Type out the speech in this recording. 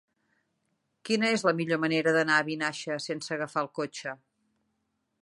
Quina és la millor manera d'anar a Vinaixa sense agafar el cotxe?